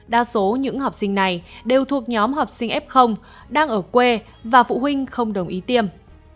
đa số những học sinh này đều thuộc nhóm học sinh f đang ở quê và phụ huynh không đồng ý tiêm